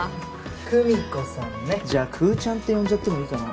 久美子さんねじゃあくーちゃんって呼んじゃってもいいかな？